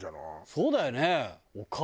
そうだよね。